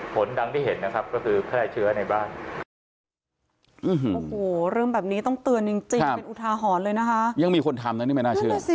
ดังที่เห็นนะครับก็คือแพร่เชื้อในบ้าน